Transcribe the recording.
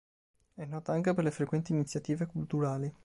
È nota anche per le frequenti iniziative culturali.